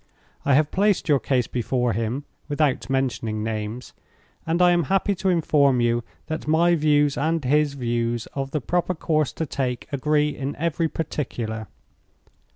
I have placed your case before him (without mentioning names); and I am happy to inform you that my views and his views of the proper course to take agree in every particular.